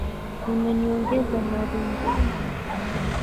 Unaniongeza maringo.